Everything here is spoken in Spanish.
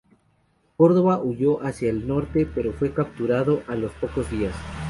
Córdoba huyó hacia el norte, pero fue capturado a los pocos días.